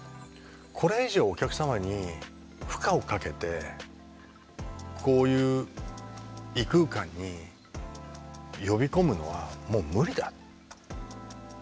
これ以上お客様に負荷をかけてこういう異空間に呼び込むのはもう無理だって実感したんですよね。